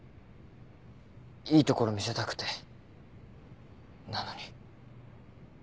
いいところ見せたくてなのに。